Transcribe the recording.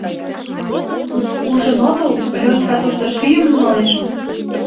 — Ужын отыл, Лёнька тушто шӱйым нумалеш мо?